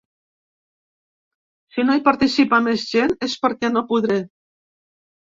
Si no hi participa més gent, és perquè no podré.